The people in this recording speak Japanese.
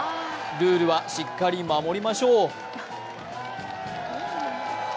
ルールはしっかり守りましょう。